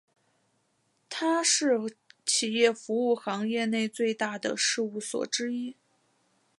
它是企业服务行业内最大的事务所之一。